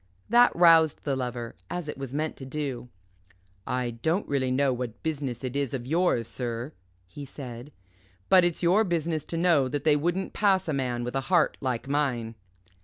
That roused the Lover, as it was meant to do. "I don't really know what business it is of yours, sir," he said; "but it's your business to know that they wouldn't pass a man with a heart like mine."